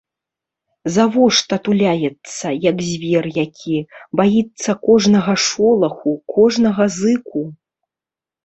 Завошта туляецца, як звер які, баіцца кожнага шолаху, кожнага зыку?